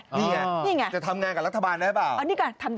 นี่ไงนี่ไงอ๋อนี่ก็ทำได้จะทำงานกับรัฐบาลได้หรือเปล่า